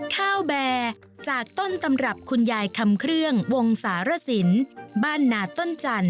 ข้าวแบร์จากต้นตำรับคุณยายคำเครื่องวงสารสินบ้านนาต้นจันท